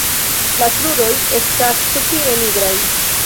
La kruroj estas kutime nigraj.